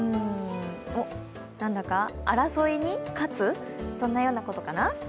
なんだか、争いに勝つそんなようなことかな？